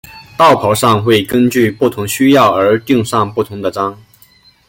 道袍上会根据不同需要而钉上不同的章。